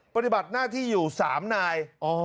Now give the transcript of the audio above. ปฏิบัติหน้าที่อยู่๓นาย